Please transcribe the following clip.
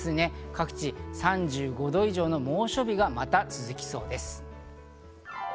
各地３５度以上の猛暑日がまた続きそうです。